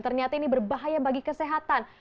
ternyata ini berbahaya bagi kesehatan